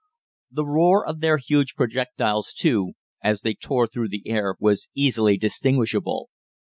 The roar of their huge projectiles, too, as they tore through the air, was easily distinguishable.